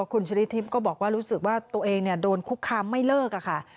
คุณชริทิพย์ก็บอกว่ารู้สึกว่าตัวเองโดนคุกคามไม่เลิกค่ะ